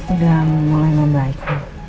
udah mulai membaik